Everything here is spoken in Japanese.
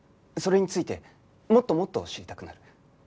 それについてもっともっと知りたくなる。